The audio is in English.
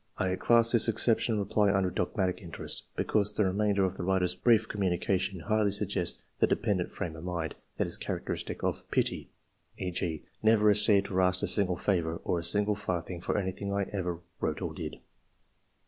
[I class this exceptional reply under ^* dogmatic interest " because the remainder of the writer's brief communication hardly suggests the de pendent frame of mind that is characteristic of *' piety" — e.g,y *' Never received or asked a single favour or a single farthing for anything I ever wrote or did."